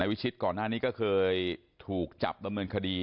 วิชิตก่อนหน้านี้ก็เคยถูกจับดำเนินคดี